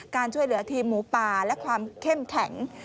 การช่วยเหลือทีมหมูป่าและความเข้มแข็ง